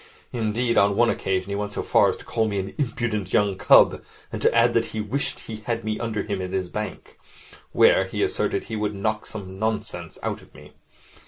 Indeed, on one occasion he went so far as to call me an impudent young cub, and to add that he wished he had me under him in his bank, where, he asserted, he would knock some of the nonsense out of me.